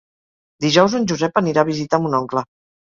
Dijous en Josep anirà a visitar mon oncle.